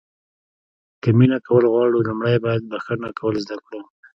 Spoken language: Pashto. که مینه کول غواړو لومړی باید بښنه کول زده کړو.